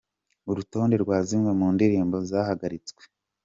Urutonde rwa zimwe mu ndirimbo zahagaritswe:.